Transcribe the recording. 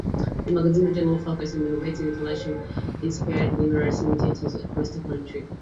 The magazine's regional focus and innovative illustrations inspired numerous imitators across the country.